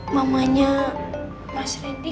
mamanya mas rendy